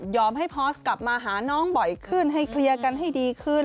ให้พอสกลับมาหาน้องบ่อยขึ้นให้เคลียร์กันให้ดีขึ้น